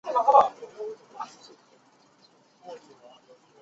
这使他有机会将设想变为现实。